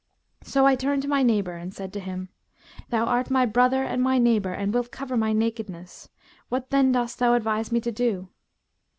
So I turned to my neighbour and said to him, 'Thou art my brother and my neighbour and wilt cover my nakedness; what then dost thou advise me to do?'